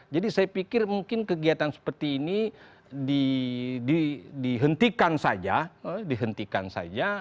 jadi saya pikir mungkin kegiatan seperti ini dihentikan saja